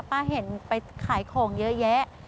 เห็นไปขายของเยอะแยะ